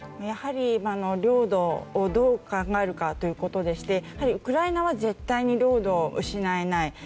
やはり、領土をどう考えるかということでしてやはりウクライナは絶対に領土を失えない。